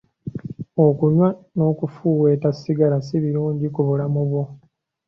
Okunywa n'okufuuweeta sigala si birungi ku bulamu bwo.